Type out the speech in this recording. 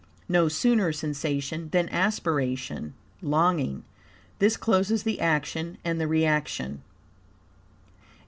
No sooner sensation than aspiration; i.e., longing. This closes the action and the reaction.